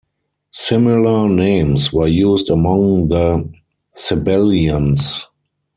Similar names were used among the Sabellians.